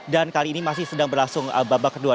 dan kali ini masih sedang berlangsung babak kedua